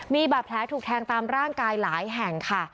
มีบาดแผลถูกแทงตามร่างกายหลายแห่งค่ะ